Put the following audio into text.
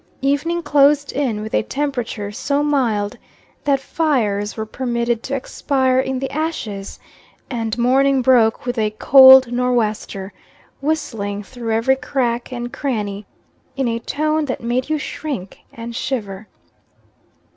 Evening closed in with a temperature so mild that fires were permitted to expire in the ashes; and morning broke with a cold nor wester, whistling through every crack and cranny, in a tone that made you shrink and shiver.